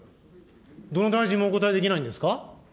どの大臣もお答えできないんですか。